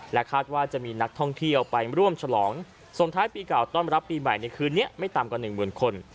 คาดว่าจะมีนักท่องเที่ยวไปร่วมฉลองส่งท้ายปีเก่าต้อนรับปีใหม่ในคืนนี้ไม่ต่ำกว่าหนึ่งหมื่นคน